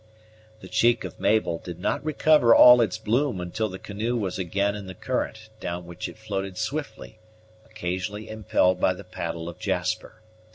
The cheek of Mabel did not recover all its bloom until the canoe was again in the current, down which it floated swiftly, occasionally impelled by the paddle of Jasper.